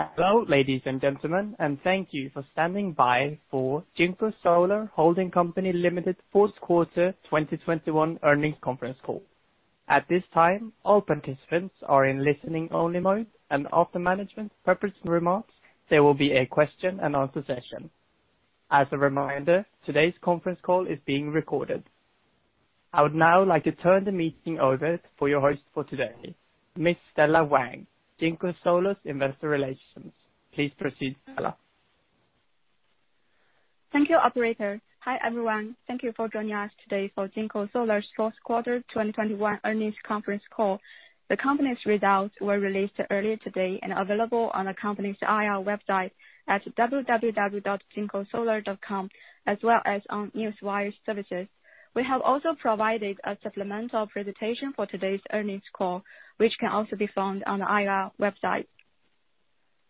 Hello, ladies and gentlemen, and thank you for standing by for JinkoSolar Holding Co., Ltd. fourth quarter 2021 earnings conference call. At this time, all participants are in listening only mode, and after management's prepared remarks, there will be a question and answer session. As a reminder, today's conference call is being recorded. I would now like to turn the meeting over to your host for today, Miss Stella Wang, JinkoSolar's Investor Relations. Please proceed, Stella. Thank you, operator. Hi, everyone. Thank you for joining us today for JinkoSolar's fourth quarter 2021 earnings conference call. The company's results were released earlier today and available on the company's IR website at www.jinkosolar.com, as well as on Newswire services. We have also provided a supplemental presentation for today's earnings call, which can also be found on the IR website.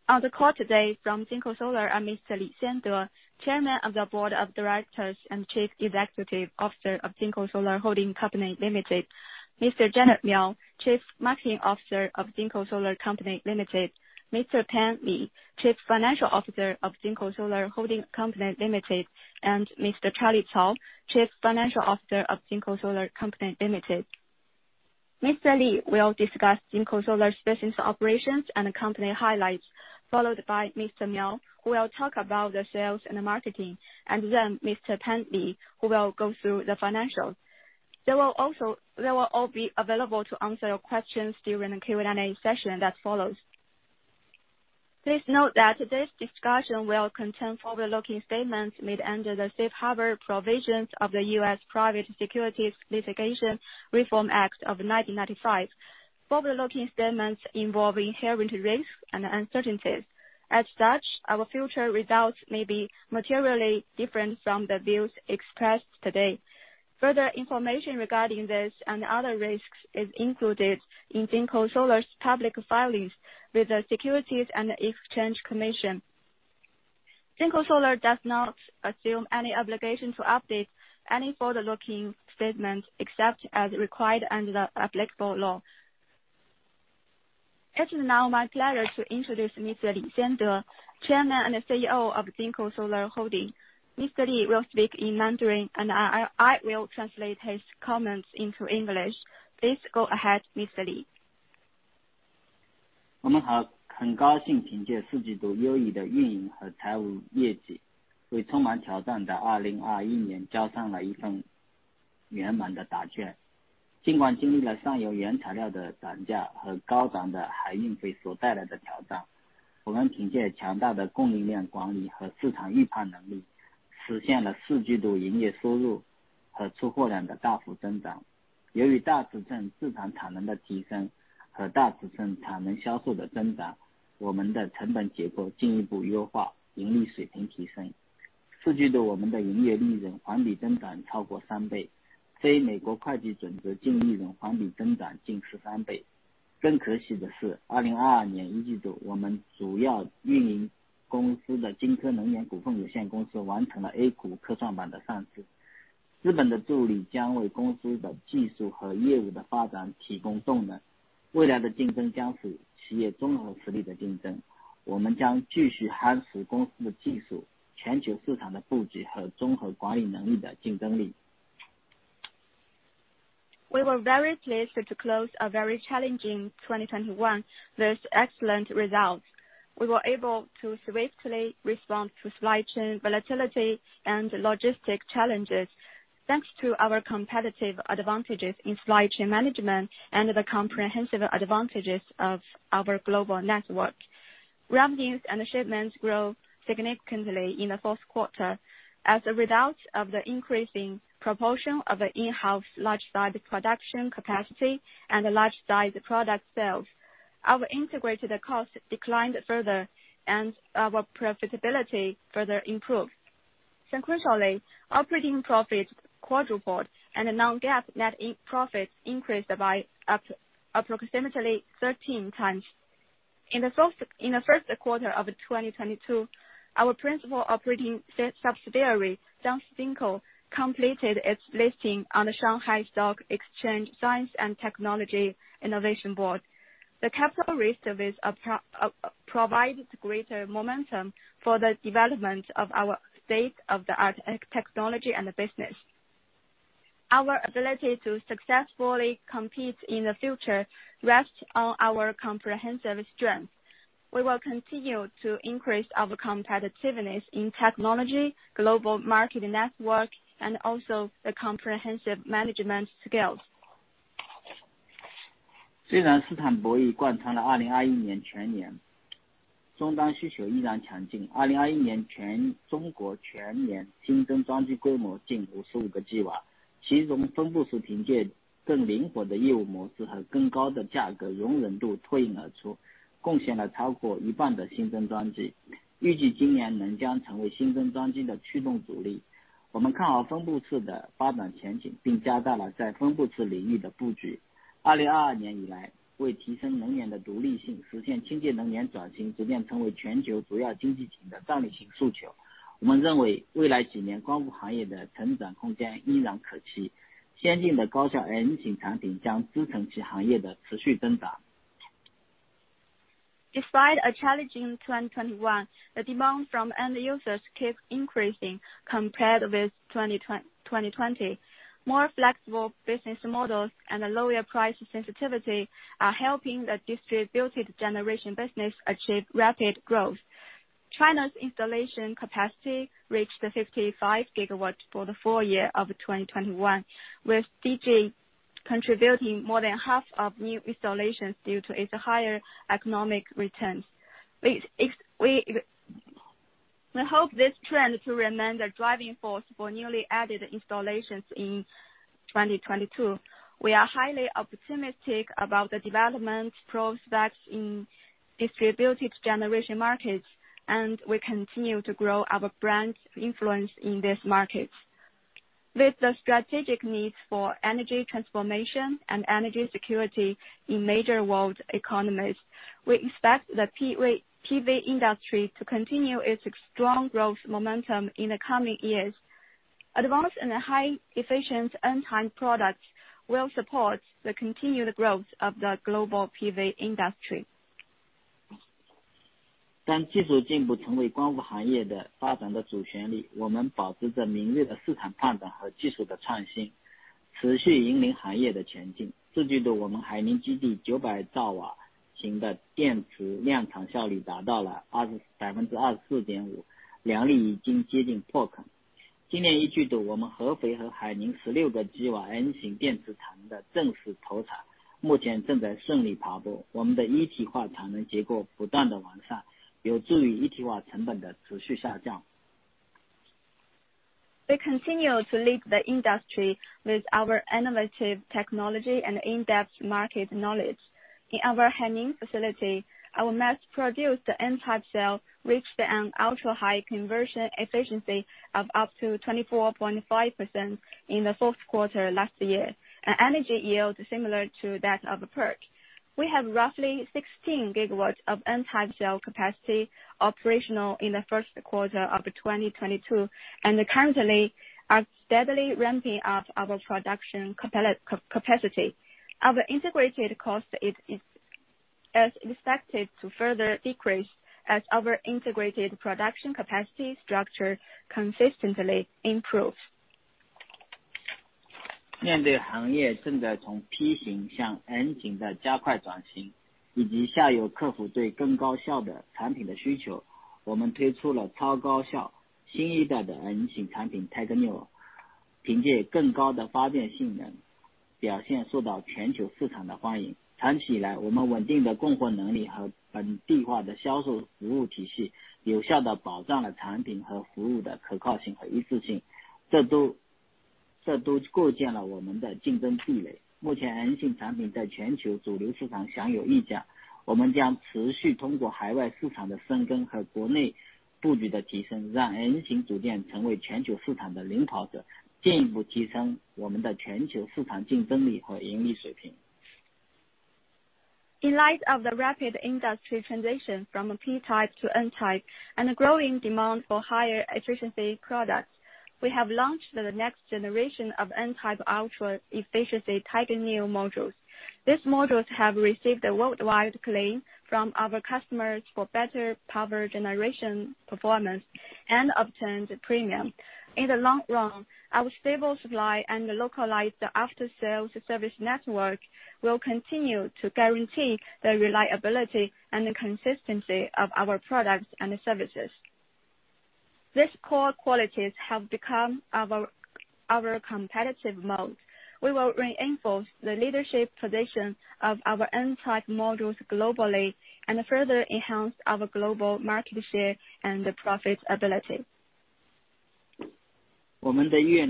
On the call today from JinkoSolar are Mr. Li Xiande, Chairman of the Board of Directors and Chief Executive Officer of JinkoSolar Holding Company Limited. Mr. Gener Miao, Chief Marketing Officer of Jinko Solar Company Limited. Mr. Pan Li, Chief Financial Officer of JinkoSolar Holding Company Limited, and Mr. Charlie Cao, Chief Financial Officer of Jinko Solar Company Limited. Mr. Li will discuss JinkoSolar's business operations and the company highlights, followed by Mr. Miao, who will talk about the sales and the marketing, and then Mr. Pan Li, who will go through the financials. They will all be available to answer your questions during the Q&A session that follows. Please note that today's discussion will contain forward-looking statements made under the Safe Harbor Provisions of the U.S. Private Securities Litigation Reform Act of 1995. Forward-looking statements involve inherent risks and uncertainties. As such, our future results may be materially different from the views expressed today. Further information regarding this and other risks is included in JinkoSolar's public filings with the Securities and Exchange Commission. JinkoSolar does not assume any obligation to update any forward-looking statements except as required under the applicable law. It is now my pleasure to introduce Mr. Li Xiande, Chairman and CEO of JinkoSolar Holding. Mr. Li will speak in Mandarin, and I will translate his comments into English. Please go ahead, Mr. Li. We were very pleased to close a very challenging 2021 with excellent results. We were able to swiftly respond to supply chain volatility and logistic challenges thanks to our competitive advantages in supply chain management and the comprehensive advantages of our global network. Revenues and shipments grew significantly in the fourth quarter. As a result of the increasing proportion of in-house large size production capacity and large size product sales, our integrated cost declined further and our profitability further improved. Sequentially, operating profit quadrupled and non-GAAP net profit increased by approximately 13 times. In the first quarter of 2022, our principal operating subsidiary, Jiangxi Jinko, completed its listing on the Shanghai Stock Exchange Science and Technology Innovation Board. The capital raise provided greater momentum for the development of our state-of-the-art technology and the business. Our ability to successfully compete in the future rests on our comprehensive strength. We will continue to increase our competitiveness in technology, global market network, and also the comprehensive management skills. Despite a challenging 2021, the demand from end users keeps increasing compared with 2020. More flexible business models and a lower price sensitivity are helping the distributed generation business achieve rapid growth. China's installation capacity reached 55 GW for the full year of 2021, with DG contributing more than half of new installations due to its higher economic returns. We hope this trend to remain the driving force for newly added installations in 2022. We are highly optimistic about the development prospects in distributed generation markets, and we continue to grow our brand influence in these markets. With the strategic needs for energy transformation and energy security in major world economies, we expect the PV industry to continue its strong growth momentum in the coming years. Advanced and highly efficient N-type products will support the continued growth of the global PV industry. We continue to lead the industry with our innovative technology and in-depth market knowledge. In our Haining facility, our mass-produced N-type cell reached an ultra-high conversion efficiency of up to 24.5% in the fourth quarter last year. Energy yield is similar to that of the PERC. We have roughly 16 GW of N-type cell capacity operational in the first quarter of 2022, and currently are steadily ramping up our production capacity. Our integrated cost is expected to further decrease as our integrated production capacity structure consistently improves. In light of the rapid industry transition from P-type to N-type and the growing demand for higher efficiency products, we have launched the next generation of N-type ultra-efficiency Tiger Neo modules. These modules have received worldwide acclaim from our customers for better power generation performance and obtained a premium. In the long run, our stable supply and localized after-sales service network will continue to guarantee the reliability and the consistency of our products and services. These core qualities have become our competitive moat. We will reinforce the leadership position of our N-type modules globally and further enhance our global market share and the profitability.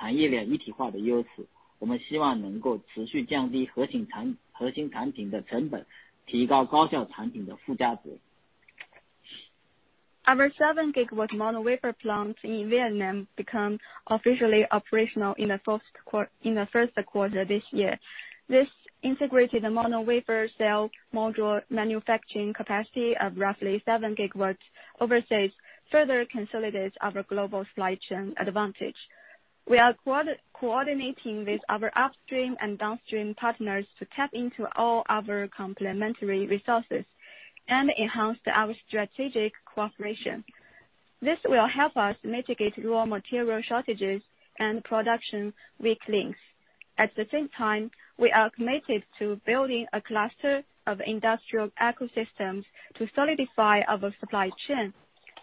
Our 7 GW mono wafer plant in Vietnam became officially operational in the first quarter this year. This integrated mono wafer cell module manufacturing capacity of roughly 7 GW overseas further consolidates our global supply chain advantage. We are closely coordinating with our upstream and downstream partners to tap into all our complementary resources and enhance our strategic cooperation. This will help us mitigate raw material shortages and production weak links. At the same time, we are committed to building a cluster of industrial ecosystems to solidify our supply chain.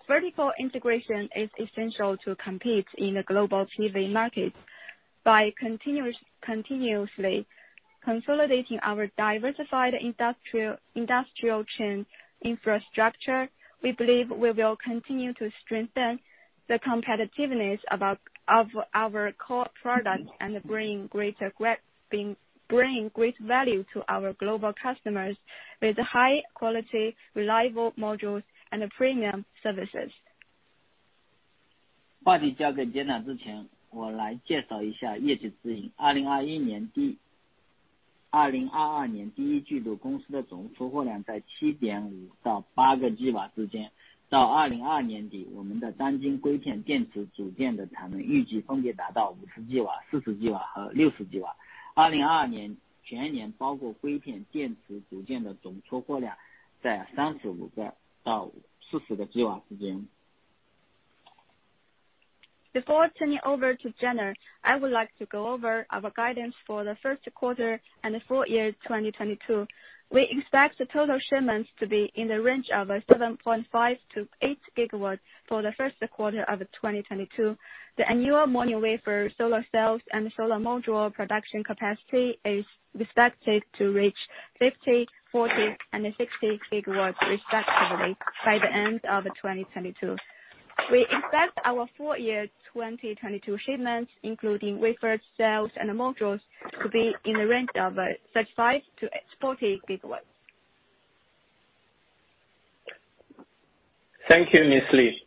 Vertical integration is essential to compete in the global PV market. By continuously consolidating our diversified industrial chain infrastructure, we believe we will continue to strengthen the competitiveness of our core products and bring great value to our global customers with high-quality, reliable modules and premium services. Before turning over to Gener, I would like to go over our guidance for the first quarter and full year 2022. We expect the total shipments to be in the range of 7.5-8 GW for the first quarter of 2022. The annual mono wafer solar cells and solar module production capacity is expected to reach 50, 40, and 60 GW respectively by the end of 2022. We expect our full year 2022 shipments, including wafers, cells and modules, to be in the range of 35-40 GW. Thank you, Ms. Li.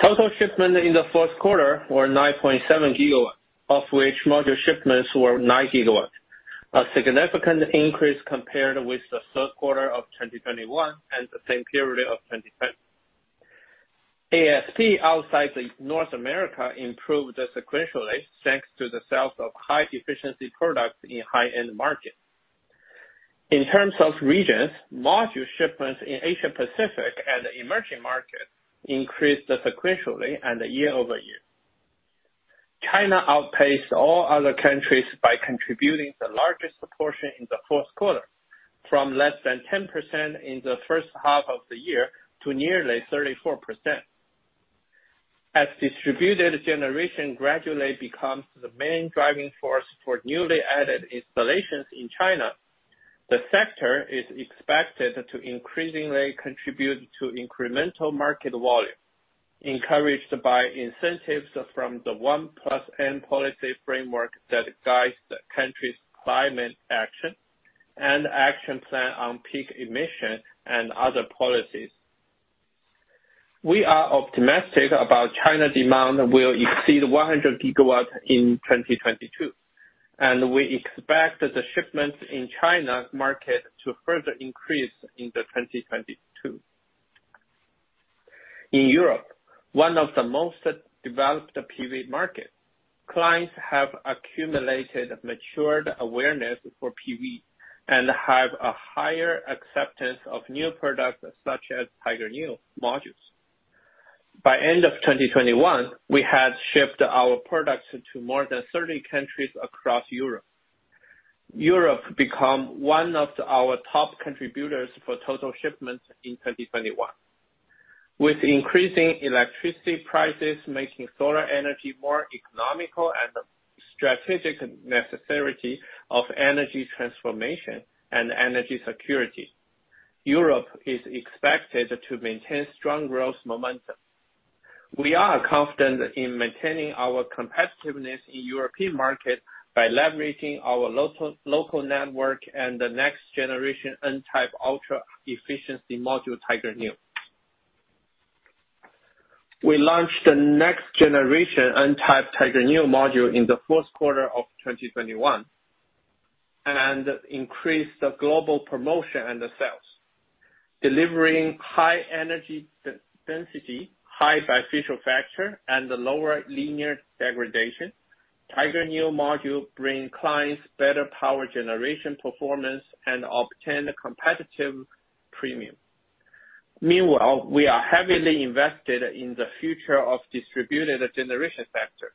Total shipments in the fourth quarter were 9.7 GW, of which module shipments were 9 GW, a significant increase compared with the third quarter of 2021 and the same period of 2020. ASP outside North America improved sequentially, thanks to the sales of high efficiency products in high-end markets. In terms of regions, module shipments in Asia Pacific and the emerging markets increased sequentially and year-over-year. China outpaced all other countries by contributing the largest portion in the fourth quarter, from less than 10% in the first half of the year to nearly 34%. As distributed generation gradually becomes the main driving force for newly added installations in China, the sector is expected to increasingly contribute to incremental market volume, encouraged by incentives from the 1+N policy framework that guides the country's climate action and action plan on peak emission and other policies. We are optimistic about China's demand will exceed 100 GW in 2022, and we expect the shipments in China market to further increase into 2022. In Europe, one of the most developed PV markets, clients have accumulated mature awareness for PV and have a higher acceptance of new products such as Tiger Neo modules. By end of 2021, we had shipped our products to more than 30 countries across Europe. Europe became one of our top contributors for total shipments in 2021. With increasing electricity prices making solar energy more economical and the strategic necessity of energy transformation and energy security, Europe is expected to maintain strong growth momentum. We are confident in maintaining our competitiveness in European market by leveraging our local network and the next generation N-type ultra efficiency module Tiger Neo. We launched the next generation N-type Tiger Neo module in the first quarter of 2021, and increased the global promotion and the sales, delivering high energy density, high bifacial factor, and the lower linear degradation. Tiger Neo module bring clients better power generation performance and obtain a competitive premium. Meanwhile, we are heavily invested in the future of distributed generation sector.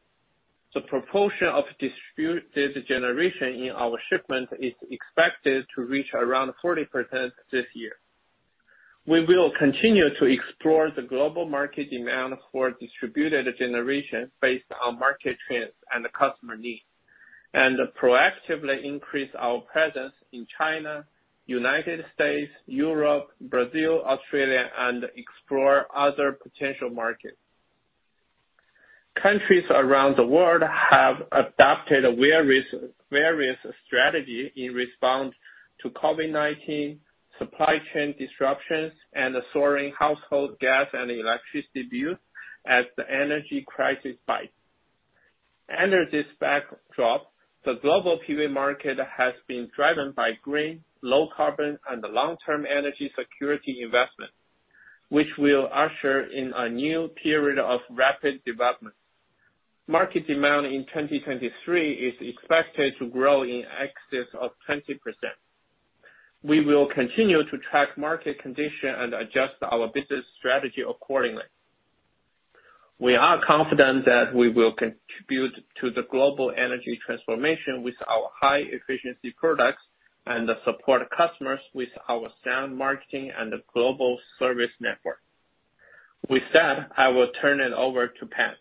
The proportion of distributed generation in our shipment is expected to reach around 40% this year. We will continue to explore the global market demand for distributed generation based on market trends and customer needs. Proactively increase our presence in China, United States, Europe, Brazil, Australia, and explore other potential markets. Countries around the world have adopted various strategy in response to COVID-19 supply chain disruptions and the soaring household gas and electricity bills as the energy crisis bites. Under this backdrop, the global PV market has been driven by green, low carbon and the long-term energy security investment, which will usher in a new period of rapid development. Market demand in 2023 is expected to grow in excess of 20%. We will continue to track market condition and adjust our business strategy accordingly. We are confident that we will contribute to the global energy transformation with our high efficiency products and support customers with our sound marketing and global service network. With that, I will turn it over to Pan.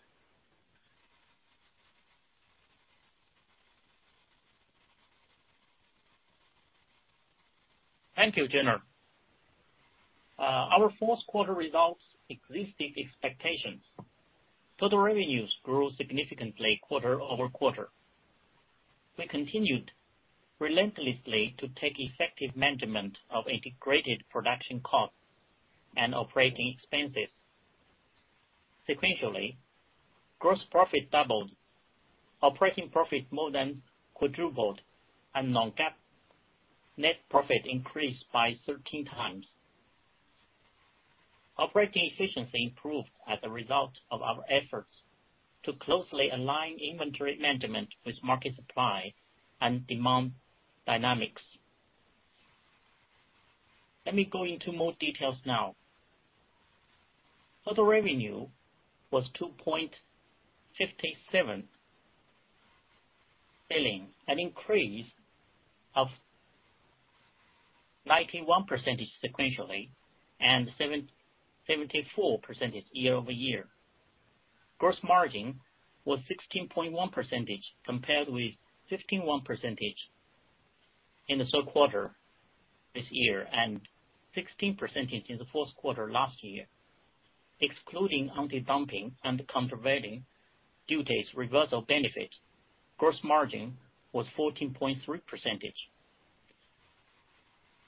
Thank you, Gener. Our fourth quarter results exceeded expectations. Total revenues grew significantly quarter-over-quarter. We continued relentlessly to take effective management of integrated production costs and operating expenses. Sequentially, gross profit doubled, operating profit more than quadrupled, and non-GAAP net profit increased by thirteen times. Operating efficiency improved as a result of our efforts to closely align inventory management with market supply and demand dynamics. Let me go into more details now. Total revenue was $2.57 billion, an increase of 91% sequentially and 77.4% year over year. Gross margin was 16.1%, compared with 15.1% in the third quarter this year and 16% in the fourth quarter last year. Excluding antidumping and countervailing duties reversal benefit, gross margin was 14.3%.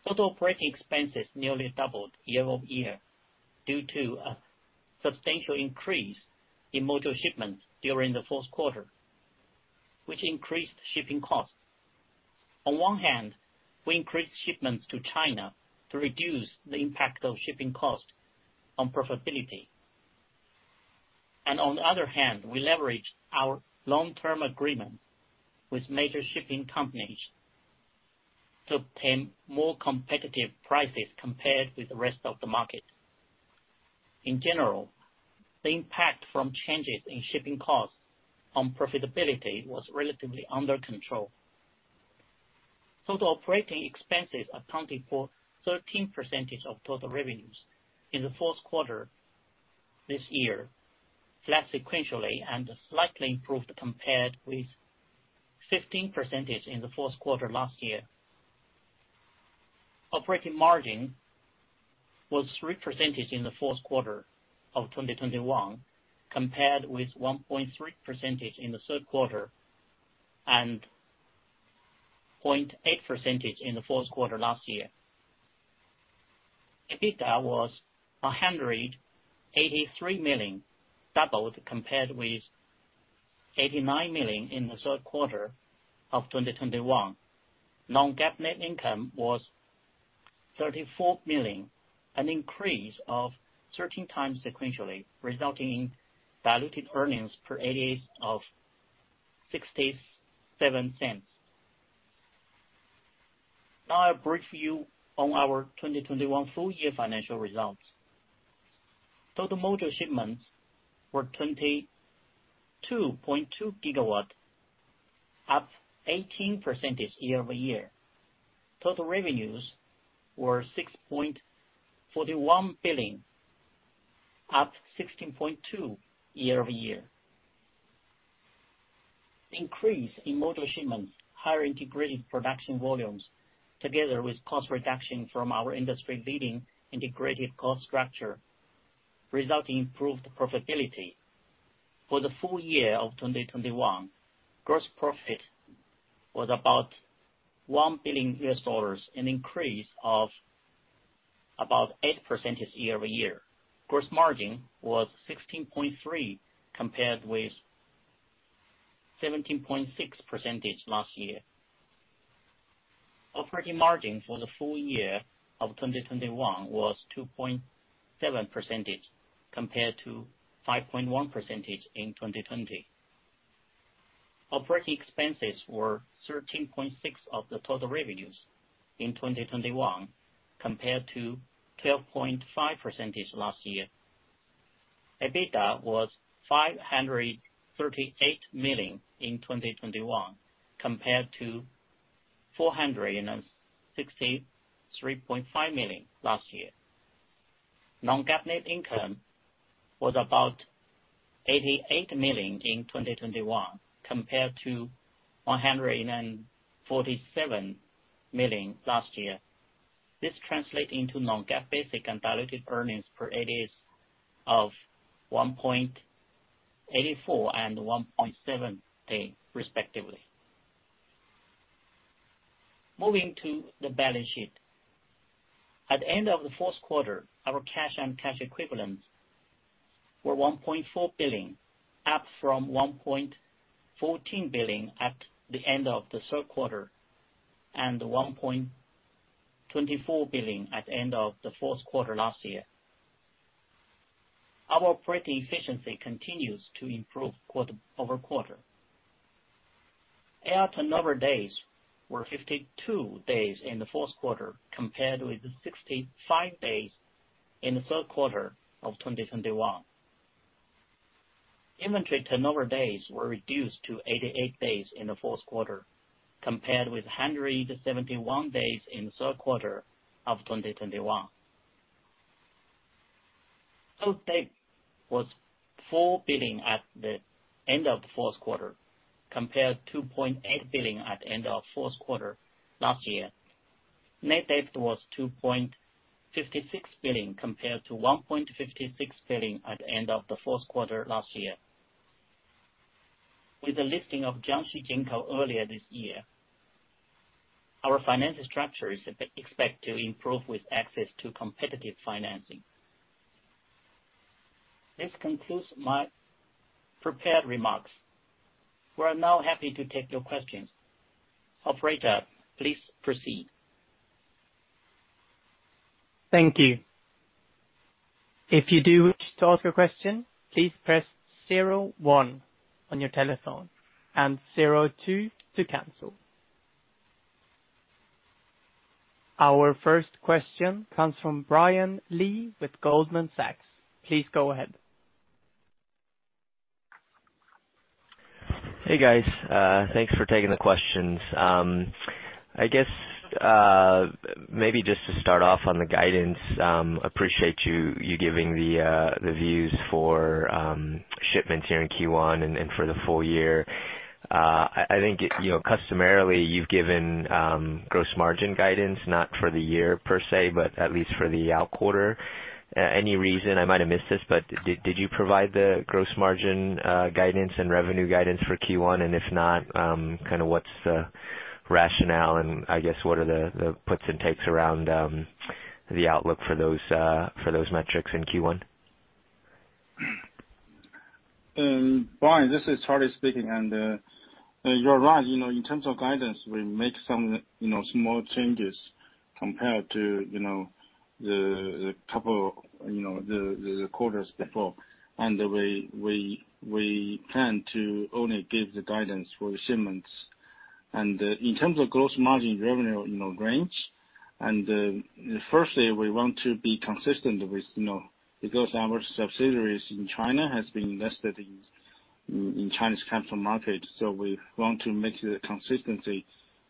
Total operating expenses nearly doubled year over year due to a substantial increase in module shipments during the fourth quarter, which increased shipping costs. On one hand, we increased shipments to China to reduce the impact of shipping costs on profitability. On the other hand, we leveraged our long-term agreement with major shipping companies to obtain more competitive prices compared with the rest of the market. In general, the impact from changes in shipping costs on profitability was relatively under control. Total operating expenses accounted for 13% of total revenues in the fourth quarter this year, flat sequentially and slightly improved compared with 15% in the fourth quarter last year. Operating margin was 3% in the fourth quarter of 2021, compared with 1.3% in the third quarter and 0.8% in the fourth quarter last year. EBITDA was $183 million, doubled compared with $89 million in the third quarter of 2021. Non-GAAP net income was $34 million, an increase of 13 times sequentially, resulting in diluted earnings per ADS of $0.67. Now a brief view on our 2021 full year financial results. Total module shipments were 22.2 GW, up 18% year-over-year. Total revenues were $6.41 billion, up 16.2% year-over-year. Increase in module shipments, higher integrated production volumes together with cost reduction from our industry-leading integrated cost structure, resulting in improved profitability. For the full year of 2021, gross profit was about $1 billion, an increase of about 8% year-over-year. Gross margin was 16.3% compared with 17.6% last year. Operating margin for the full year of 2021 was 2.7% compared to 5.1% in 2020. Operating expenses were 13.6% of the total revenues in 2021 compared to 12.5% last year. EBITDA was $538 million in 2021 compared to $463.5 million last year. Non-GAAP net income was about $88 million in 2021 compared to $147 million last year. This translate into non-GAAP basic and diluted earnings per ADS of 1.84 and 1.78 respectively. Moving to the balance sheet. At the end of the fourth quarter, our cash and cash equivalents were $1.4 billion, up from $1.14 billion at the end of the third quarter and $1.24 billion at end of the fourth quarter last year. Our operating efficiency continues to improve quarter-over-quarter. AR turnover days were 52 days in the fourth quarter compared with 65 days in the third quarter of 2021. Inventory turnover days were reduced to 88 days in the fourth quarter compared with 171 days in the third quarter of 2021. Total debt was $4 billion at the end of the fourth quarter compared to $0.8 billion at end of fourth quarter last year. Net debt was $2.56 billion compared to $1.56 billion at the end of the fourth quarter last year. With the listing of Jiangxi Jinko earlier this year, our financial structure is expected to improve with access to competitive financing. This concludes my prepared remarks. We are now happy to take your questions. Operator, please proceed. Thank you. If you do wish to ask a question please press zero, one on your telephone, and zero, two to cancel. Our first question comes from Brian Lee with Goldman Sachs. Please go ahead. Hey, guys. Thanks for taking the questions. I guess maybe just to start off on the guidance, appreciate you giving the views for shipments here in Q1 and for the full year. I think, you know, customarily you've given gross margin guidance, not for the year per se, but at least for the out quarter. Any reason, I might have missed this, but did you provide the gross margin guidance and revenue guidance for Q1? And if not, kinda what's the rationale? And I guess, what are the puts and takes around the outlook for those metrics in Q1? Brian, this is Charlie speaking, and you're right. You know, in terms of guidance, we make some small changes compared to the couple of quarters before. We plan to only give the guidance for the shipments. In terms of gross margin revenue range, firstly, we want to be consistent with because our subsidiaries in China has been invested in China's capital market, so we want to make the consistency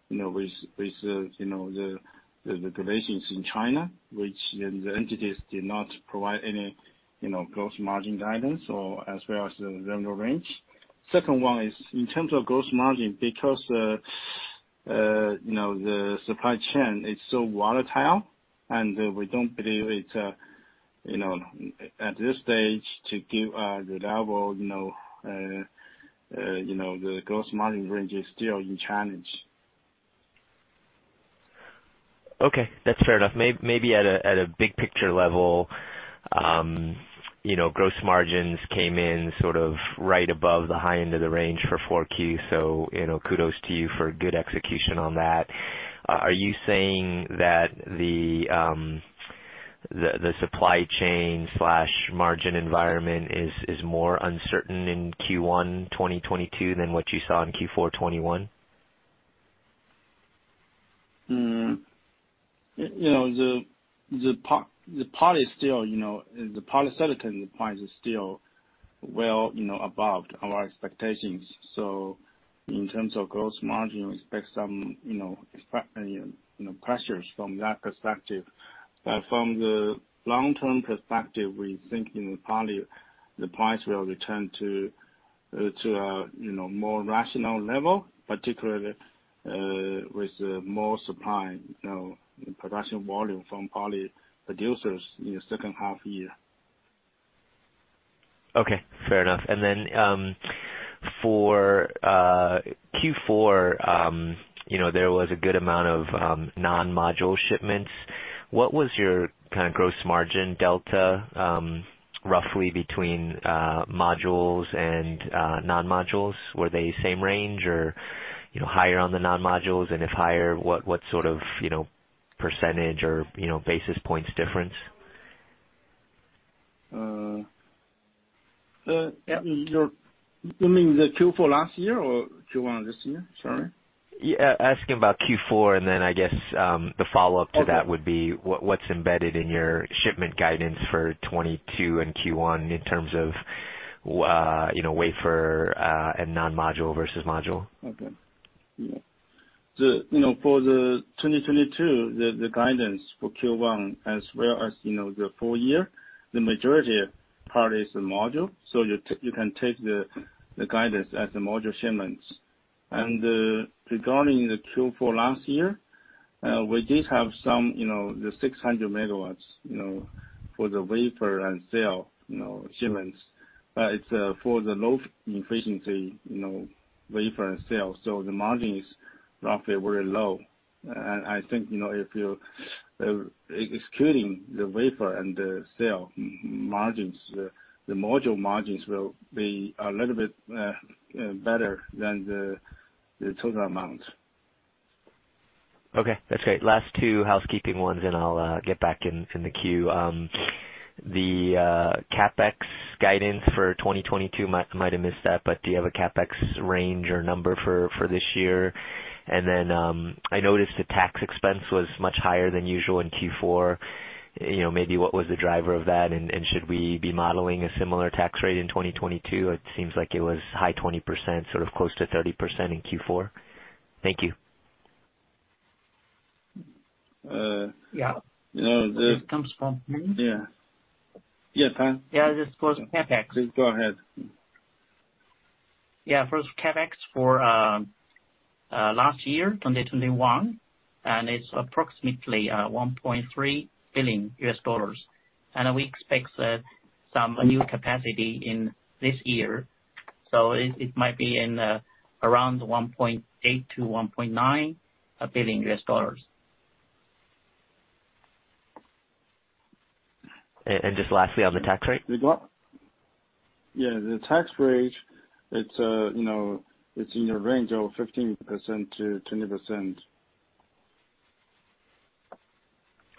with the regulations in China, which the entities did not provide any gross margin guidance or as well as the revenue range. Second one is in terms of gross margin, because, you know, the supply chain is so volatile, and, we don't believe it's, you know, at this stage to give, the level, you know, the gross margin range is still in challenge. Okay. That's fair enough. Maybe at a big picture level, you know, gross margins came in sort of right above the high end of the range for 4Q. You know, kudos to you for good execution on that. Are you saying that the supply chain slash margin environment is more uncertain in Q1 2022 than what you saw in Q4 2021? You know, the poly still, you know, the polysilicon price is still well, you know, above our expectations. In terms of gross margin, we expect some, you know, pressures from that perspective. From the long-term perspective, we think the poly price will return to a, you know, more rational level, particularly with more supply, you know, production volume from poly producers in the second half year. Okay. Fair enough. For Q4, you know, there was a good amount of non-module shipments. What was your kind of gross margin delta, roughly between modules and non-modules? Were they same range or, you know, higher on the non-modules? If higher, what sort of, you know, percentage or, you know, basis points difference? You mean the Q4 last year or Q1 this year? Sorry. Yeah. Asking about Q4, and then I guess, the follow-up. Okay. To that would be what's embedded in your shipment guidance for 2022 in Q1 in terms of, you know, wafer, and non-module versus module? You know, for the 2022, the guidance for Q1 as well as, you know, the full year, the majority of part is the module. You can take the guidance as the module shipments. Regarding the Q4 last year, we did have some, you know, the 600 MW, you know, for the wafer and cell, you know, shipments. It's for the low efficiency, you know, wafer and cell. The margin is roughly very low. I think, you know, if you excluding the wafer and the cell margins, the module margins will be a little bit better than the total amount. Okay. That's great. Last two housekeeping ones, and I'll get back in the queue. The CapEx guidance for 2022, might have missed that, but do you have a CapEx range or number for this year? And then, I noticed the tax expense was much higher than usual in Q4. You know, maybe what was the driver of that? And should we be modeling a similar tax rate in 2022? It seems like it was high 20%, sort of close to 30% in Q4. Thank you. Yeah. You know, this comes from me? Yeah, this is for CapEx. Please go ahead. Yeah. First, CapEx for last year, 2021, and it's approximately $1.3 billion. We expect some new capacity in this year. It might be around $1.8 billion-$1.9 billion. Just lastly, on the tax rate. The what? Yeah, the tax rate, you know, it's in the range of 15%-20%.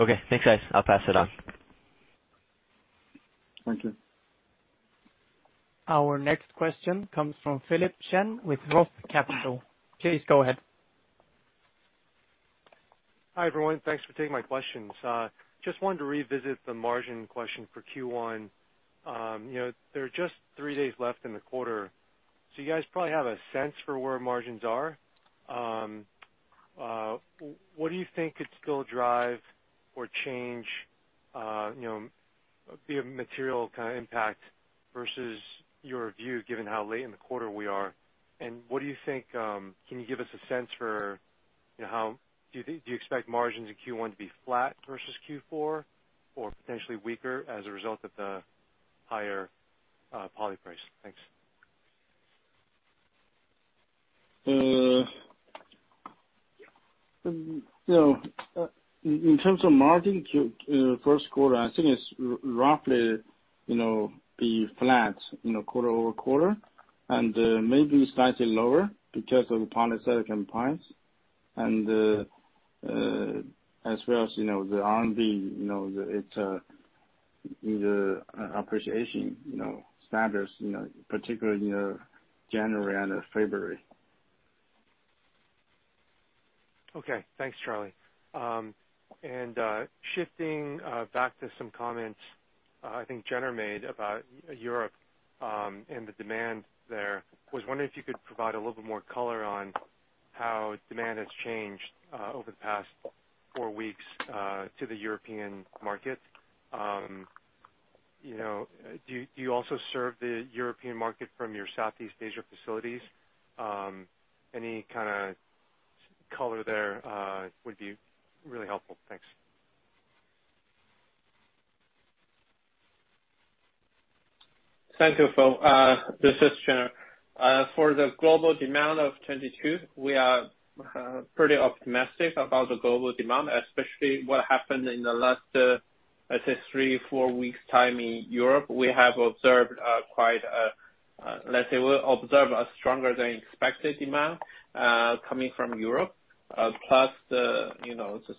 Okay. Thanks, guys. I'll pass it on. Thank you. Our next question comes from Philip Shen with Roth Capital. Please go ahead. Hi, everyone. Thanks for taking my questions. Just wanted to revisit the margin question for Q1. You know, there are just three days left in the quarter, so you guys probably have a sense for where margins are. What do you think could still drive or change, you know, be a material kinda impact versus your view, given how late in the quarter we are? What do you think, can you give us a sense for, you know, how do you expect margins in Q1 to be flat versus Q4 or potentially weaker as a result of the higher poly price? Thanks. You know, in terms of margin in the first quarter, I think it's roughly, you know, be flat, you know, quarter-over-quarter, and maybe slightly lower because of the polysilicon price and as well as, you know, the RMB, you know, it's the appreciation, you know, standards, you know, particularly, you know, January and February. Okay. Thanks, Charlie. Shifting back to some comments I think Gener made about Europe and the demand there. I was wondering if you could provide a little bit more color on how demand has changed over the past four weeks to the European market. Do you also serve the European market from your Southeast Asia facilities? Any kinda color there would be really helpful. Thanks. Thank you, Phil. This is Gener. For the global demand of 2022, we are pretty optimistic about the global demand, especially what happened in the last, let's say three to four weeks' time in Europe. We have observed quite a stronger than expected demand coming from Europe, plus the, you know, this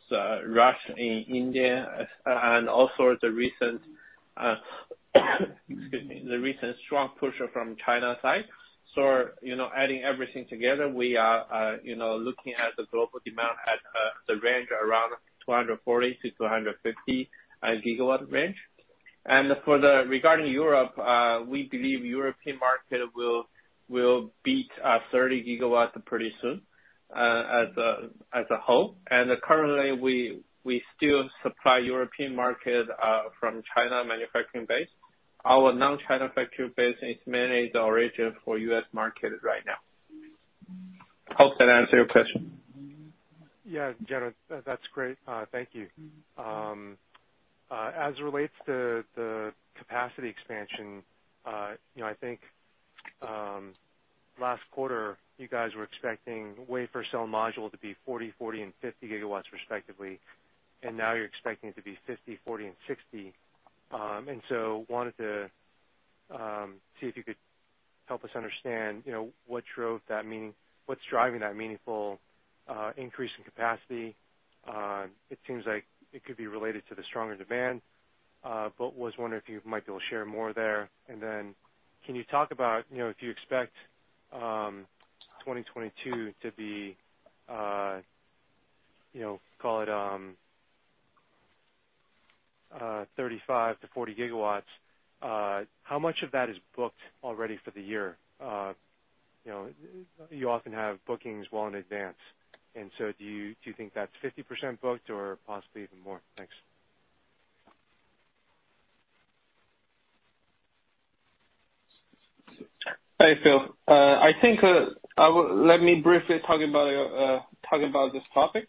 rush in India, and also the recent, excuse me, the recent strong push from China side. You know, adding everything together, we are, you know, looking at the global demand at the range around 240-250 GW range. Regarding Europe, we believe European market will beat 30 GW pretty soon, as a whole. Currently we still supply European market from China manufacturing base. Our non-China factory base is mainly the origin for U.S. market right now. I hope that answered your question. Yeah. Gener, that's great. Thank you. As it relates to the capacity expansion, you know, I think last quarter you guys were expecting wafer cell module to be 40, 40 and 50 GW respectively, and now you're expecting it to be 50, 40, and 60 GW. Wanted to see if you could help us understand, you know, what's driving that meaningful increase in capacity. It seems like it could be related to the stronger demand, but was wondering if you might be able to share more there. Then can you talk about, you know, if you expect 2022 to be, you know, call it 35-40 GW, how much of that is booked already for the year? You know, you often have bookings well in advance, and so do you, do you think that's 50% booked or possibly even more? Thanks. Hi, Philip. Let me briefly talk about this topic.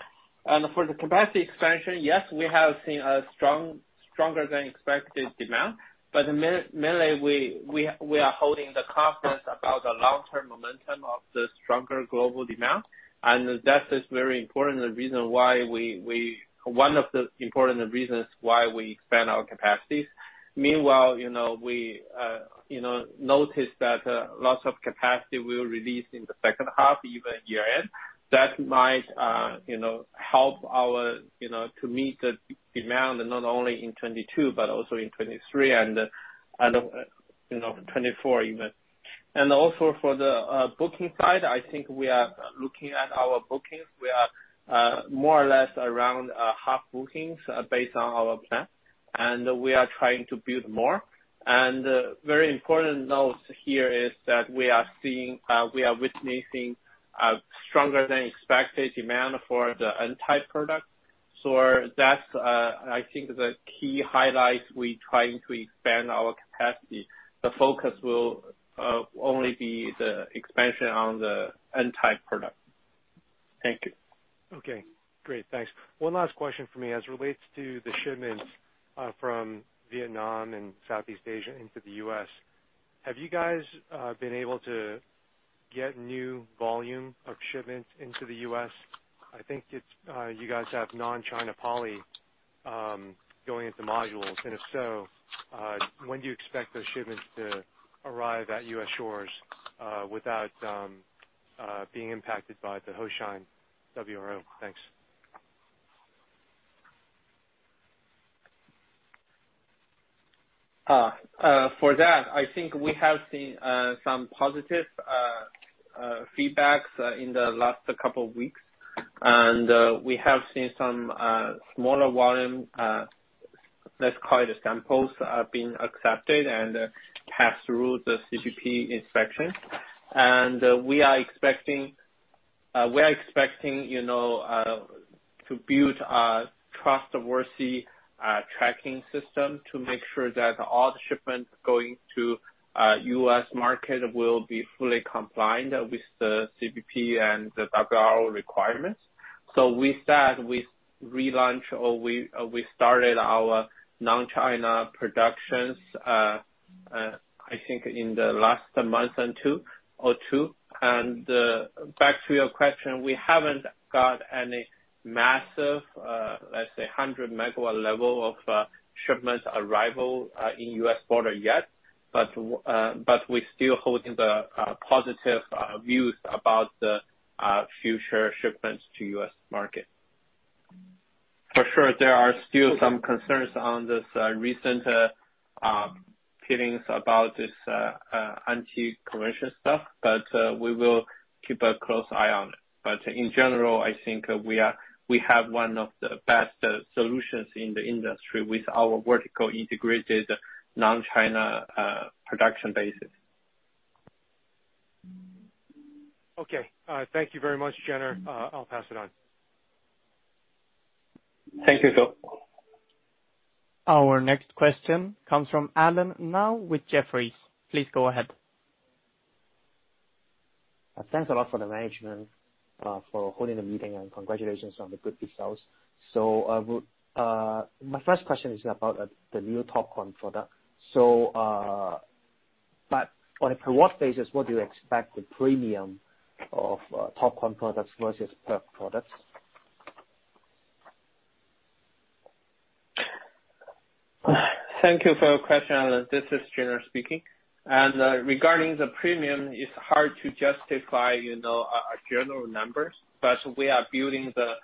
For the capacity expansion, yes, we have seen a stronger than expected demand, but mainly, we are holding the confidence about the long-term momentum of the stronger global demand. That is one of the important reasons why we expand our capacities. Meanwhile, you know, we, you know, noticed that lots of capacity will release in the second half, even year-end. That might, you know, help us, you know, to meet the demand, not only in 2022, but also in 2023 and, you know, 2024 even. For the booking side, I think we are looking at our bookings. We are more or less around half bookings based on our plan, and we are trying to build more. Very important note here is that we are witnessing a stronger than expected demand for the N-type product. That's, I think, the key highlights. We're trying to expand our capacity. The focus will only be the expansion on the N-type product. Thank you. Okay, great. Thanks. One last question for me. As it relates to the shipments from Vietnam and Southeast Asia into the U.S., have you guys been able to get new volume of shipments into the U.S.? I think it's you guys have non-China poly going into modules. If so, when do you expect those shipments to arrive at U.S. shores without being impacted by the Hoshine WRO? Thanks. For that, I think we have seen some positive feedback in the last couple of weeks. We have seen some smaller volume, let's call it samples, have been accepted and passed through the CBP inspection. We are expecting you know to build a trustworthy tracking system to make sure that all the shipments going to U.S. market will be fully compliant with the CBP and the WRO requirements. With that, we relaunch or we started our non-China productions, I think in the last month or two. Back to your question, we haven't got any massive, let's say 100-megawatt level of shipments arrival in U.S. border yet, but we're still holding the positive views about the future shipments to U.S. market. For sure, there are still some concerns on this recent filings about this anti-dumping stuff, but we will keep a close eye on it. In general, I think we have one of the best solutions in the industry with our vertically integrated non-China production bases. Okay. Thank you very much, Gener. I'll pass it on. Thank you, Phil. Our next question comes from Alan Lau with Jefferies. Please go ahead. Thanks a lot to the management for holding the meeting, and congratulations on the good details. My first question is about the new TOPCon product. On a per watt basis, what do you expect the premium of TOPCon products versus PERC products? Thank you for your question, Alan. This is Gener Miao speaking. Regarding the premium, it's hard to justify, you know, general numbers, but we are building the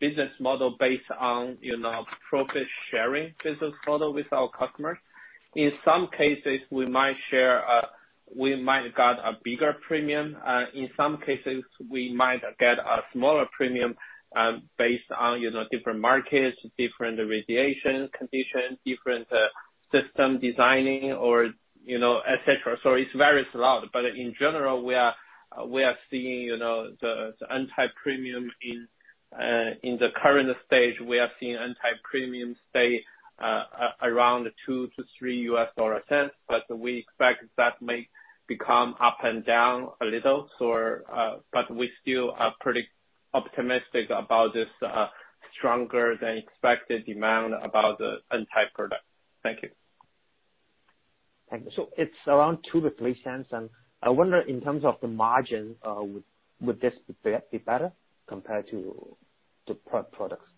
business model based on, you know, profit sharing business model with our customers. In some cases, we might share, we might get a bigger premium. In some cases, we might get a smaller premium, based on, you know, different markets, different radiation conditions, different, system designing or, you know, et cetera. It varies a lot. But in general, we are seeing, you know, the N-type premium in the current stage, we are seeing N-type premium stay around $0.02-$0.03, but we expect that may become up and down a little. We still are pretty optimistic about this stronger than expected demand about the N-type product. Thank you. Thank you. It's around $0.02 to $0.03, and I wonder, in terms of the margin, would this be better compared to the PERC products?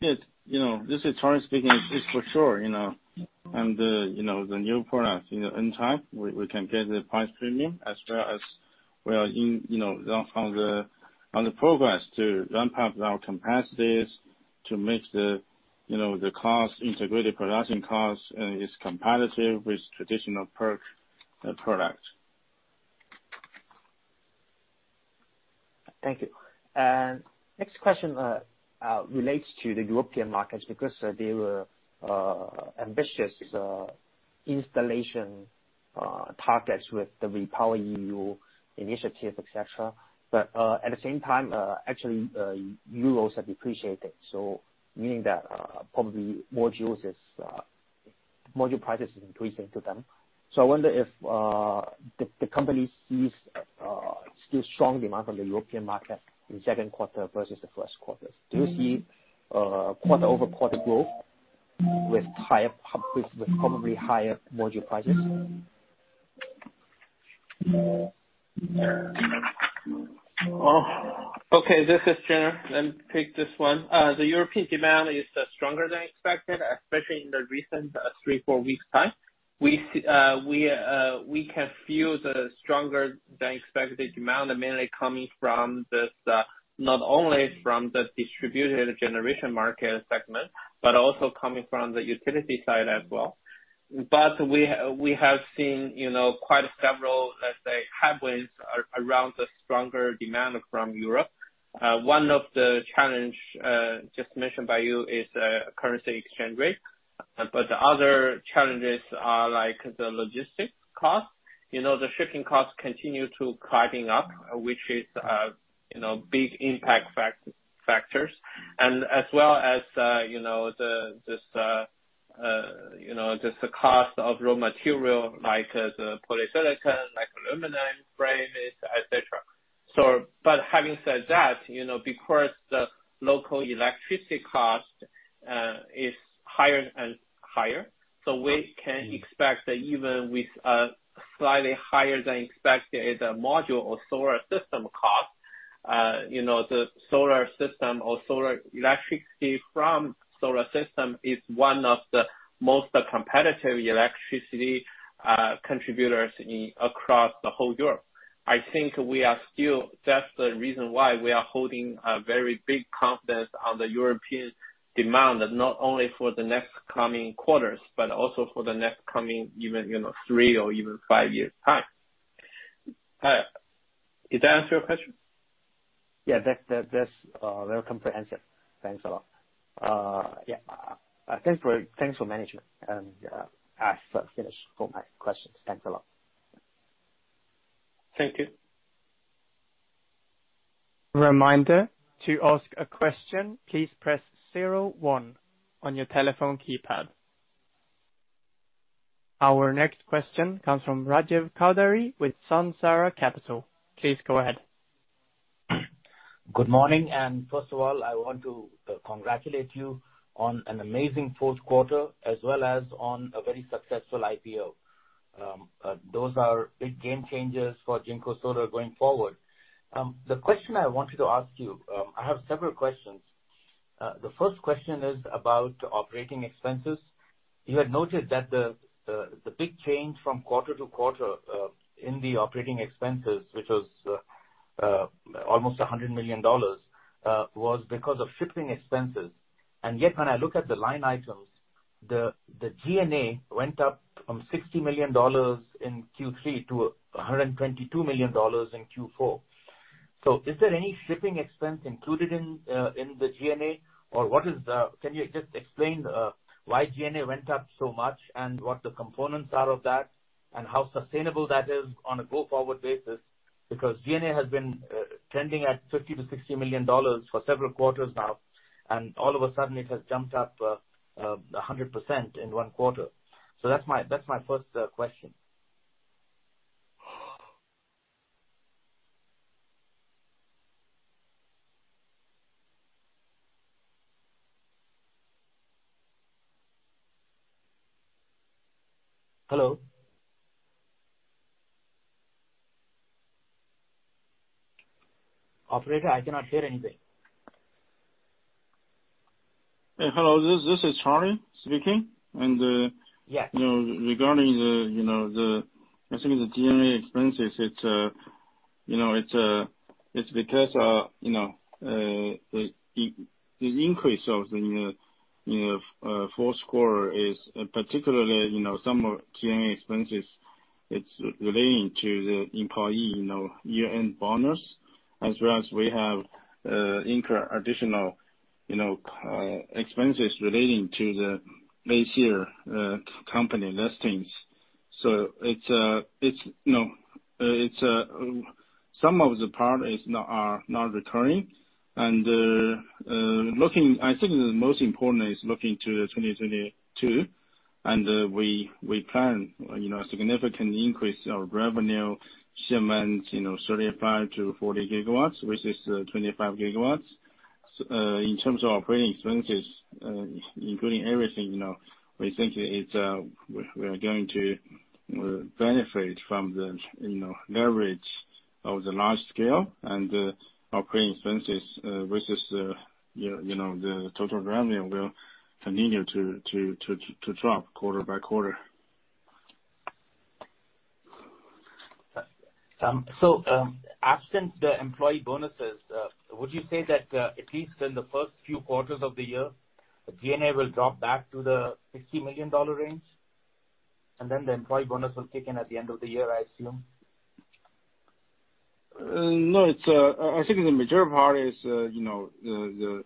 Yes. You know, this is Charlie speaking. It's for sure, you know. You know, the new product, you know, in time, we can get the price premium as well as we are in, you know, on the progress to ramp up our capacities to make the, you know, the cost, integrated production costs is competitive with traditional PERC product. Thank you. Next question relates to the European markets, because there were ambitious installation targets with the REPowerEU initiative, et cetera. At the same time, actually, euros have depreciated, so meaning that probably modules is module prices is increasing to them. I wonder if the company sees still strong demand on the European market in the second quarter versus the first quarter. Do you see quarter-over-quarter growth with probably higher module prices? Okay, this is Gener. Let me take this one. The European demand is stronger than expected, especially in the recent three to four weeks time. We can feel the stronger than expected demand mainly coming from this, not only from the distributed generation market segment, but also coming from the utility side as well. We have seen, you know, quite several, let's say, headwinds around the stronger demand from Europe. One of the challenge just mentioned by you is currency exchange rate. The other challenges are like the logistics cost. You know, the shipping costs continue to climbing up, which is, you know, big impact factors. As well as, you know, just the cost of raw material like the polysilicon, like aluminum frame, et cetera. Having said that, you know, because the local electricity cost is higher and higher, so we can expect that even with a slightly higher than expected module or solar system cost, you know, the solar system or solar electricity from solar system is one of the most competitive electricity contributors across the whole Europe. That's the reason why we are holding a very big confidence on the European demand, not only for the next coming quarters, but also for the next coming even, you know, three or even five years. Did that answer your question? Yeah. That's very comprehensive. Thanks a lot. Yeah. Thanks for management. I've finished all my questions. Thanks a lot. Thank you. Our next question comes from Rajiv Chaudhri with Sunsara Capital. Please go ahead. Good morning, first of all, I want to congratulate you on an amazing fourth quarter as well as on a very successful IPO. Those are big game changers for JinkoSolar going forward. The question I wanted to ask you, I have several questions. The first question is about operating expenses. You had noted that the big change from quarter to quarter in the operating expenses, which was almost $100 million, was because of shipping expenses. Yet, when I look at the line items, the G&A went up from $60 million in Q3 to $122 million in Q4. Is there any shipping expense included in the G&A? Can you just explain why G&A went up so much and what the components are of that, and how sustainable that is on a go-forward basis? Because G&A has been trending at $50 million-$60 million for several quarters now, and all of a sudden it has jumped up 100% in one quarter. So that's my first question. Hello? Operator, I cannot hear anything. Hello, this is Charlie speaking. Yes. You know, regarding the, you know, the, I think the G&A expenses, it's you know, it's because you know, the increase of the fourth quarter is particularly you know, some G&A expenses, it's relating to the employee you know, year-end bonus, as well as we have incur additional you know, expenses relating to this year company listings. It's you know, it's some of the part is not recurring. Looking. I think the most important is looking to 2022, and we plan you know, a significant increase of revenue shipment, you know, 35-40 GW, versus 25 GW. In terms of operating expenses, including everything, you know, we think it's, we are going to benefit from the, you know, leverage of the large scale and operating expenses versus, you know, the total revenue will continue to drop quarter by quarter. Absent the employee bonuses, would you say that, at least in the first few quarters of the year, G&A will drop back to the $60 million range, and then the employee bonus will kick in at the end of the year, I assume? No. It's, I think the major part is, you know, the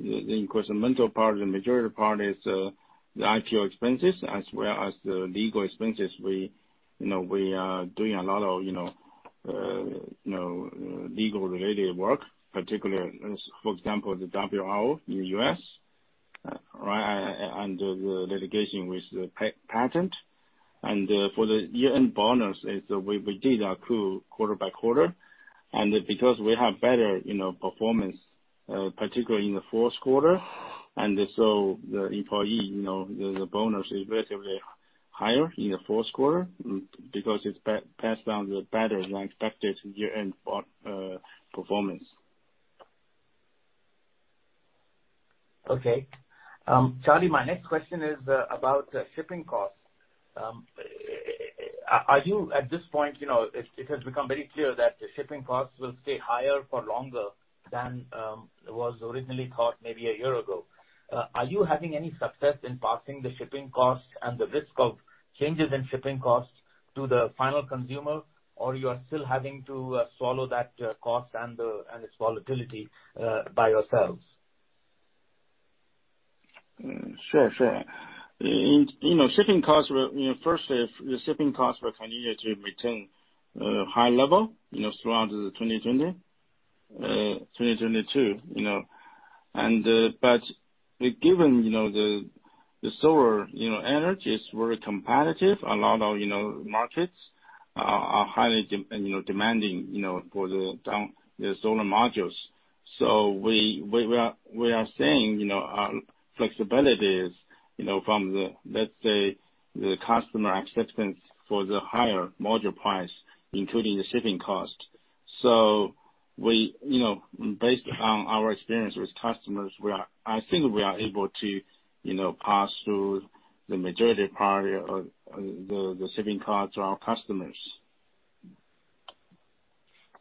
incremental part or the major part is the IPO expenses as well as the legal expenses. We, you know, we are doing a lot of, you know, legal related work, particularly, for example, the WRO in the U.S., right, and the litigation with the patent. For the year-end bonus, we did accrue quarter by quarter. Because we have better, you know, performance, particularly in the fourth quarter, the employee, you know, the bonus is relatively higher in the fourth quarter because it's based on the better than expected year-end performance. Okay. Charlie, my next question is about the shipping costs. At this point, you know, it has become very clear that the shipping costs will stay higher for longer than was originally thought maybe a year ago. Are you having any success in passing the shipping costs and the risk of changes in shipping costs to the final consumer, or you are still having to swallow that cost and its volatility by yourselves? Sure. Shipping costs were firstly if the shipping costs will continue to remain at high level throughout 2020, 2022. Given the solar energy is very competitive, a lot of markets are highly demanding for the solar modules. We are seeing our flexibility from the, let's say, the customer acceptance for the higher module price, including the shipping cost. Based on our experience with customers, we are, I think, able to pass through the majority part of the shipping cost to our customers.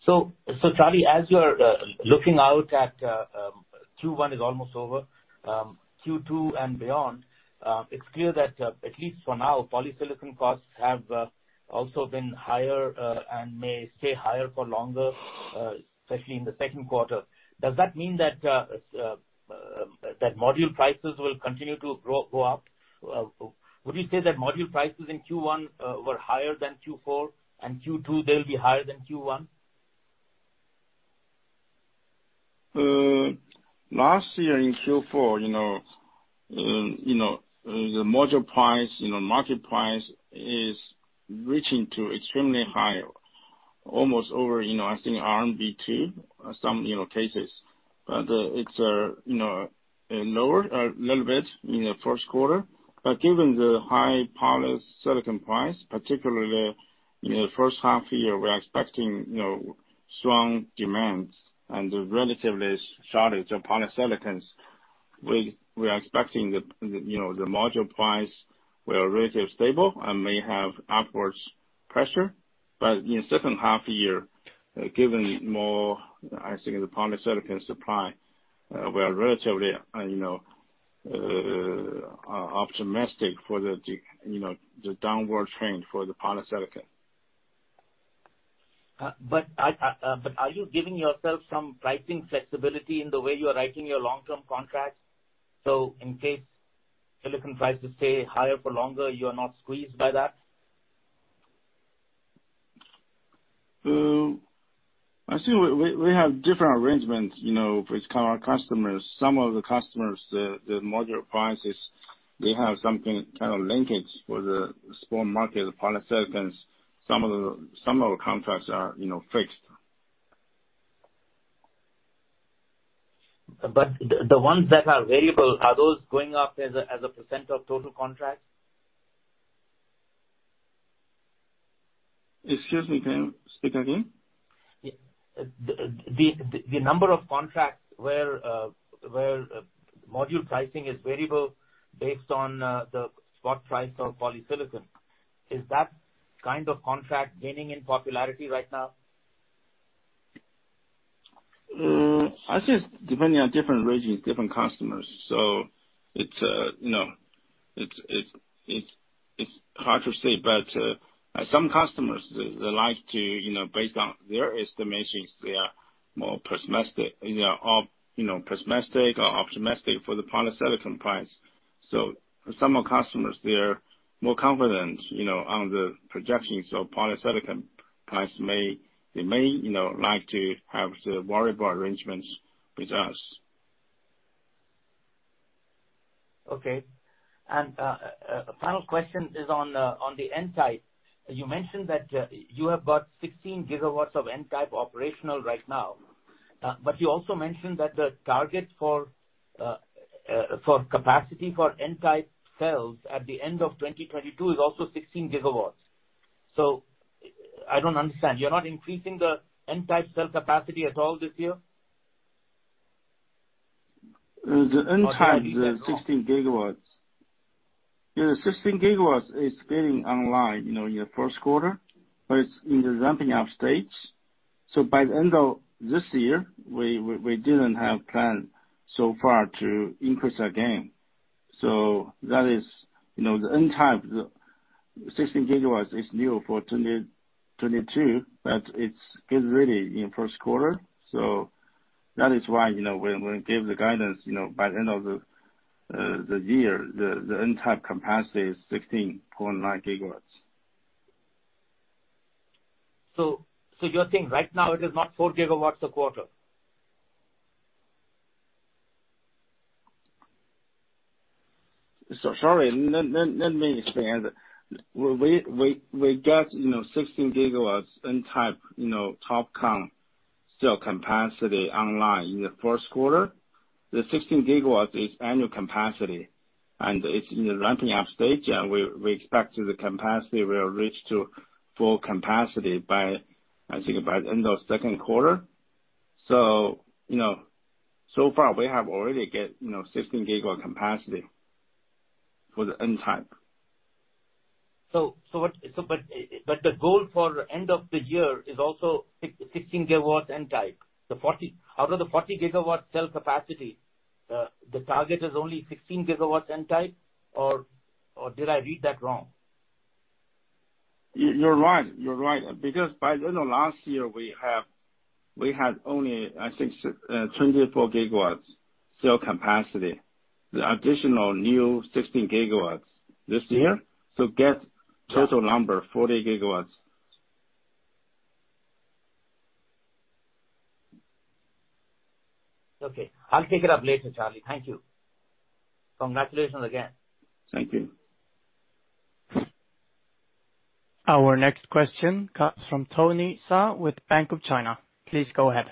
Charlie, as you are looking out at Q1 is almost over, Q2 and beyond, it's clear that at least for now, polysilicon costs have also been higher and may stay higher for longer, especially in the second quarter. Does that mean that module prices will continue to grow, go up? Would you say that module prices in Q1 were higher than Q4, and Q2, they'll be higher than Q1? Last year in Q4, you know, the module price, you know, market price is reaching to extremely high, almost over, you know, I think RMB 2 in some cases. It's lower a little bit in the first quarter. Given the high polysilicon price, particularly in the first half year, we're expecting, you know, strong demand and relatively shortage of polysilicon. We are expecting the, you know, the module price will remain stable and may have upward pressure. In the second half year, given more, I think the polysilicon supply, we are relatively, you know, optimistic for the downward trend for the polysilicon. Are you giving yourself some pricing flexibility in the way you are writing your long-term contracts, so in case silicon prices stay higher for longer, you are not squeezed by that? I see we have different arrangements, you know, with our customers. Some of the customers, module prices, they have something kind of linkage with the spot market polysilicon. Some of the contracts are, you know, fixed. The ones that are variable, are those going up as a percent of total contracts? Excuse me. Can you speak again? Yeah. The number of contracts where module pricing is variable based on the spot price of polysilicon, is that kind of contract gaining in popularity right now? I think depending on different regions, different customers. It's hard to say, but some customers they like to, you know, based on their estimations, they are more pessimistic, you know, pessimistic or optimistic for the polysilicon price. Some of our customers, they're more confident, you know, on the projections of polysilicon price. They may, you know, like to have the variable arrangements with us. Okay. Final question is on the N-type. You mentioned that you have about 16 GW of N-type operational right now. You also mentioned that the target for capacity for N-type cells at the end of 2022 is also 16 GW. I don't understand. You're not increasing the N-type cell capacity at all this year? The N-type- Did I read that wrong? The 16 GW. Yeah, the 16 GW is getting online, you know, in the first quarter, but it's in the ramping up stage. By the end of this year, we didn't have plans so far to increase again. That is, you know, the N-type, the 16 GW is new for 2022, but it's getting ready in first quarter. That is why, you know, when we give the guidance, you know, by the end of the year, the N-type capacity is 16.9 GW. You're saying right now it is not 4 GW a quarter? Sorry. Let me explain. We get, you know, 16 GW N-type, you know, TOPCon cell capacity online in the first quarter. The 16 GW is annual capacity, and it's in the ramping up stage, and we expect the capacity will reach to full capacity by, I think, by end of second quarter. You know, so far we have already get, you know, 16 gigawatt capacity for the N-type. The goal for end of the year is also 15 GW N-type. Out of the 40 GW cell capacity, the target is only 16 GW N-type, or did I read that wrong? You're right. Because by the end of last year, we had only, I think, 24 GW cell capacity. The additional new 16 GW this year. Total number 40 GW. Okay. I'll take it up later, Charlie. Thank you. Congratulations again. Thank you. Our next question comes from Tony Fei with Bank of China. Please go ahead.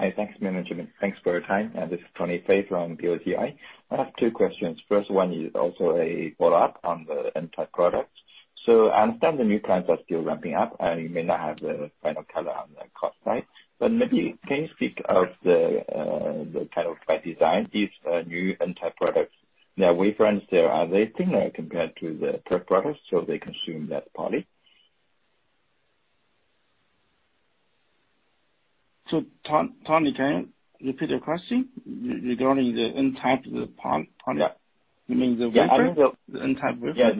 Hi. Thanks, management. Thanks for your time. This is Tony Fei from BOCI. I have two questions. First one is also a follow-up on the N-type products. I understand the new plants are still ramping up and you may not have the final figure on the cost side, but maybe can you speak of the kind of by design these new N-type products? Their wafer, are they thinner compared to the PERC products so they consume that poly? Tony, can you repeat your question regarding the N-type? Yeah. You mean the wafer? Yeah. I mean The N-type wafer. Yeah,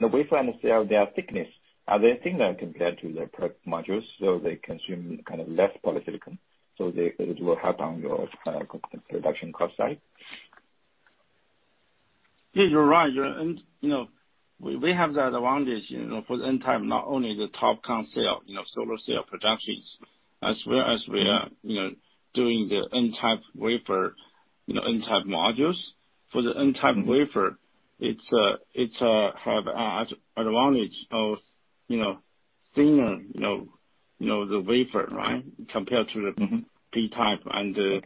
the wafer and cell, their thickness, are they thinner compared to the PERC modules so they consume kind of less polysilicon. It will help on your cost of production side? Yeah, you're right. You know, we have that advantage, you know, for the N-type, not only the TOPCon cell, you know, solar cell productions, as well as we are, you know, doing the N-type wafer, you know, N-type modules. For the N-type wafer, it's has an advantage of, you know, thinner, you know, the wafer, right, compared to the P-type. Okay.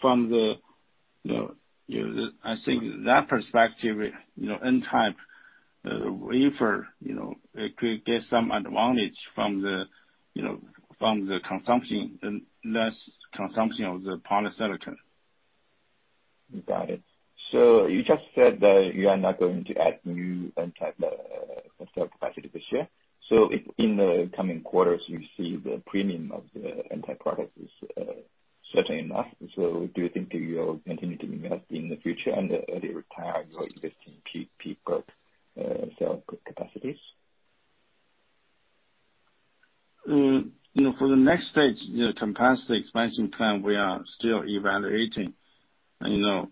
From the, you know, the perspective, I think, you know, N-type wafer, you know, it could get some advantage from the, you know, consumption and less consumption of the polysilicon. Got it. You just said that you are not going to add new N-type cell capacity this year. If in the coming quarters you see the premium of the N-type products is certain enough, do you think that you'll continue to invest in the future and early retire your existing P-type cell capacities? You know, for the next stage, you know, capacity expansion plan, we are still evaluating. You know,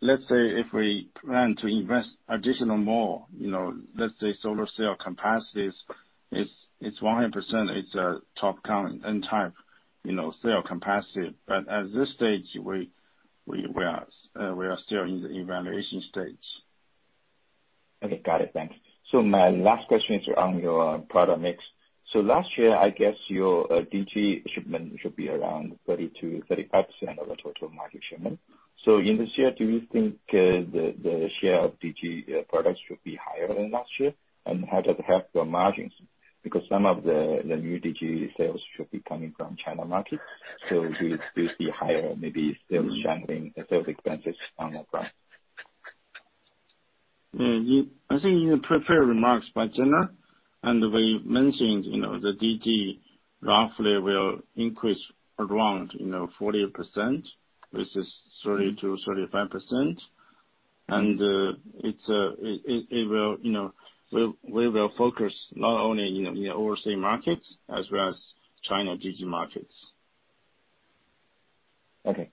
let's say if we plan to invest additional more, you know, let's say solar cell capacities, it's 100%, it's a TOPCon N-type, you know, cell capacity. But at this stage, we are still in the evaluation stage. Okay. Got it. Thanks. My last question is on your product mix. Last year, I guess your DG shipment should be around 30%-35% of the total market shipment. In this year, do you think the share of DG products should be higher than last year? And how does it help your margins? Because some of the new DG sales should be coming from China market, so will it still be higher, maybe sales channeling and sales expenses on the price? Yeah. I think you prepare remarks by Gener, and we mentioned, you know, the DG roughly will increase around, you know, 40%, which is 30%-35%. It will, you know, we will focus not only, you know, in the overseas markets as well as China DG markets. Okay.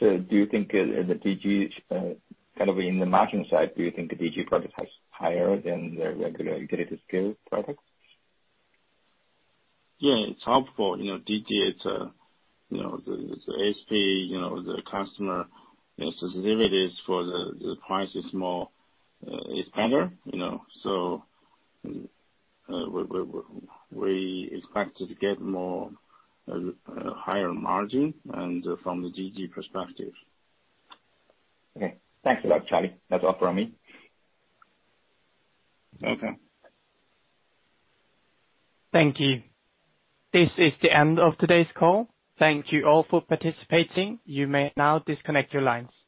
Do you think, the DG, kind of in the margin side, do you think the DG product is higher than the regular grid scale products? Yeah. It's helpful. You know, DG, it's you know, the HP, you know, the customer, the sensitivities for the price is more is better, you know. We expect to get more higher margin and from the DG perspective. Okay. Thanks a lot, Charlie. That's all from me. Okay. Thank you. This is the end of today's call. Thank you all for participating. You may now disconnect your lines.